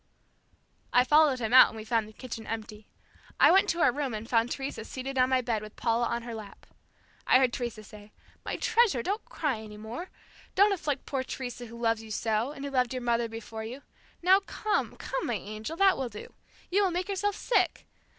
I followed him out and we found the kitchen empty. I went to our room and found Teresa seated on my bed with Paula on her lap. I heard Teresa say, "My treasure, don't cry any more! Don't afflict poor Teresa who loves you so, and who loved your mother before you. Now, come, come, my angel, that will do. You will make yourself sick.